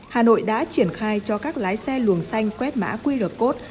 hà nội đã triển khai cho các lái xe luồng xanh quét mã quy đổi cốt